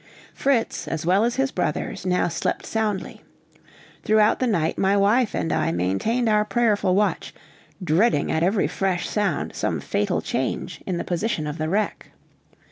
Fritz, as well as his brothers, now slept soundly. Throughout the night my wife and I maintained our prayerful watch, dreading at every fresh sound some fatal change in the position of the wreck.